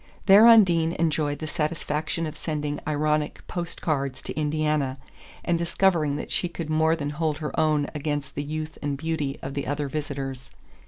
There Undine enjoyed the satisfaction of sending ironic post cards to Indiana, and discovering that she could more than hold her own against the youth and beauty of the other visitors.